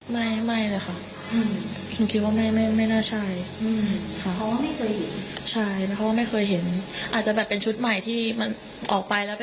ผ้าโรมสีดำกับเกล็งผ้าโรมสีดำครับ